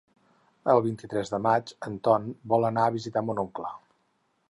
El vint-i-tres de maig en Ton vol anar a visitar mon oncle.